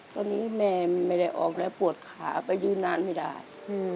ตอนนี้แม่ไม่ได้ออกแล้วปวดขาไปยืนนานไม่ได้